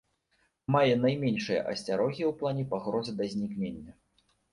Мае найменшыя асцярогі ў плане пагрозы да знікнення.